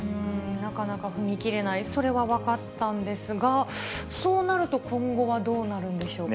なかなか踏み切れない、それは分かったんですが、そうなると、今後はどうなるんでしょうか。